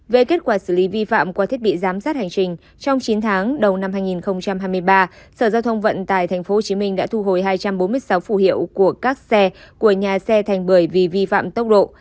về kết quả xử lý vi phạm qua thiết bị giám sát hành trình trong chín tháng đầu năm hai nghìn hai mươi ba sở giao thông vận tài tp hcm đã thu hồi hai trăm bốn mươi sáu phủ hiệu của các xe của nhà xe thành bưởi vì vi phạm tốc độ